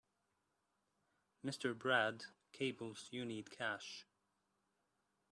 Mr. Brad cables you need cash.